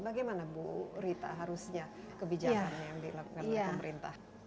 bagaimana bu rita harusnya kebijakan yang dilakukan oleh pemerintah